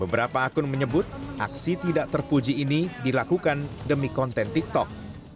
beberapa akun menyebut aksi tidak terpuji ini dilakukan demi konten tiktok